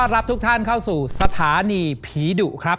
รับทุกท่านเข้าสู่สถานีผีดุครับ